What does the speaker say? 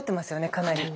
かなり。